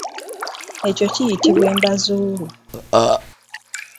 Ekyo kiyitibwa embazuulu.